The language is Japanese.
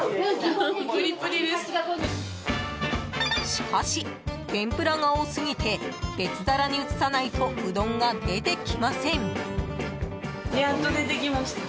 しかし、天ぷらが多すぎて別皿に移さないとうどんが出てきません。